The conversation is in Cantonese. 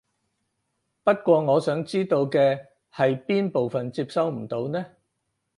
不過我想知道嘅係邊部分接收唔到呢？